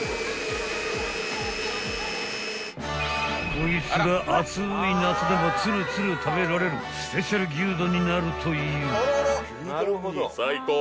［こいつが暑い夏でもツルツル食べられるスペシャル牛丼になるという］